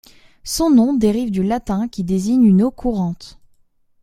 Ce nom dérive du latin qui désigne une eau courante.